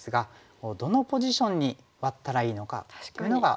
どのポジションにワッたらいいのかというのが難しいですよね。